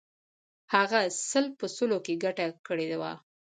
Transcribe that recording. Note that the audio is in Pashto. هغه سل په سلو کې ګټه کړې وه.